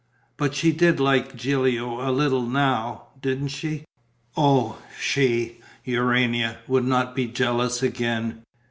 But she did like Gilio a little now, didn't she? Oh, she, Urania, would not be jealous again!